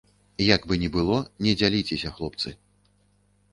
Як бы ні было, не дзяліцеся, хлопцы.